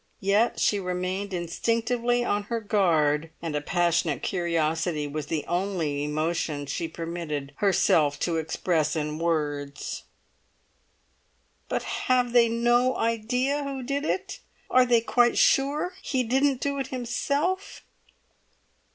Yet she remained instinctively on her guard, and a passionate curiosity was the only emotion she permitted herself to express in words. "But have they no idea who did it? Are they quite sure he didn't do it himself?"